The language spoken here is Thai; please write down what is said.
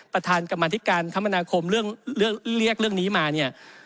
ประธานกรรมธิการคมนาคมเรื่องเรียกเรื่องนี้มาเนี่ย